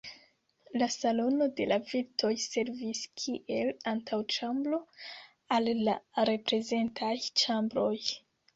La Salono de la virtoj servis kiel antaŭĉambro al la reprezentaj ĉambroj.